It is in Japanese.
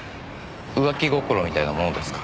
浮気心みたいなものですか？